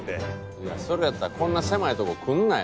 いやそれやったらこんな狭いとこ来んなや。